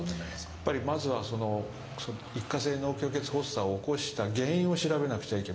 やっぱりまずはその一過性脳虚血発作を起こした原因を調べなくちゃいけません。